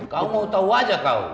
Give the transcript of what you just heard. kamu mau tahu aja kau